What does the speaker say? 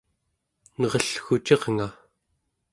nerellgucirnga